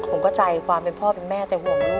ผมเข้าใจความเป็นพ่อเป็นแม่แต่ห่วงลูก